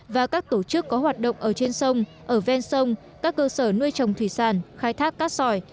và các tổ chức có hoạt động ở trên sông ở ven sông các cơ sở nuôi trồng thủy sản khai thác cát sỏi